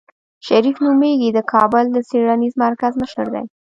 شريف نومېږي د کابل د څېړنيز مرکز مشر دی.